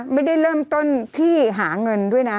ไม่ได้เริ่มต้นที่หาเงินด้วยนะ